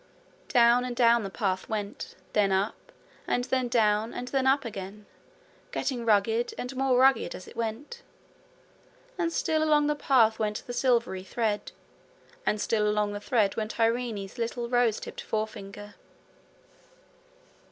Down and down the path went, then up, and then down and then up again, getting rugged and more rugged as it went; and still along the path went the silvery thread, and still along the thread went Irene's little rosy tipped forefinger.